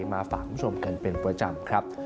มาฝากคุณผู้ชมกันเป็นประจำครับ